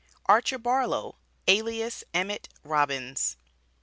ARCHER BARLOW, ALIAS EMIT ROBINS.